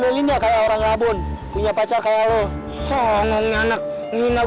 menang terus embernya